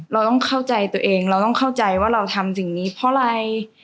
เราต้องเข้าใจตัวเองเราต้องเข้าใจว่าเราทำสิ่งนี้เพราะอะไร